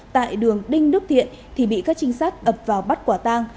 tại đường đinh đức thiện thì bị các trinh sát ập vào bắt quả tang